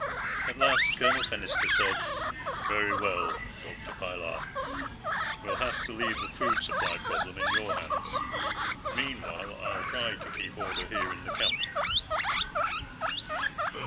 At last, Colonel Fennister said: "Very well, Dr. Pilar; we'll have to leave the food supply problem in your hands. Meanwhile, I'll try to keep order here in the camp."